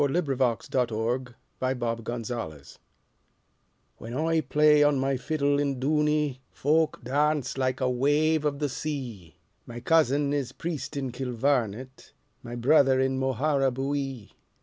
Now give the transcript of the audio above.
The Fiddler of Dooney WHEN I play on my fiddle in Dooney, Folk dance like a wave of the sea; My cousin is priest in Kilvarnet, My brother in Moharabuiee.